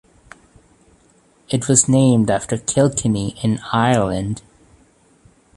It was named after Kilkenny in Ireland.